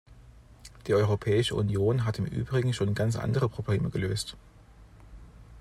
Die Europäische Union hat im Übrigen schon ganz andere Probleme gelöst.